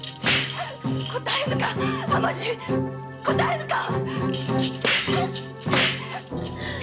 答えぬか。